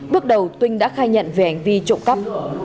bước đầu tuynh đã khai nhận về hành vi trộm khắp